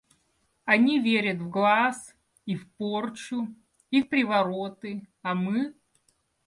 Они верят в глаз, и в порчу, и в привороты, а мы....